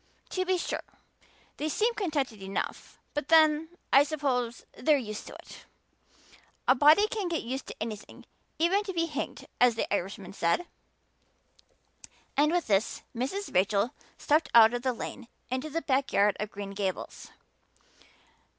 To be sure, they seem contented enough; but then, I suppose, they're used to it. A body can get used to anything, even to being hanged, as the Irishman said." With this Mrs. Rachel stepped out of the lane into the backyard of Green Gables.